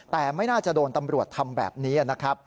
แต่ไม่น่าจะโดนตำรวจทำแบบนี้